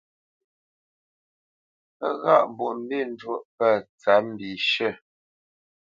Pə́ ghâʼ Mbwoʼmbî njwōʼ pə̂ tsǎp mbishʉ̂.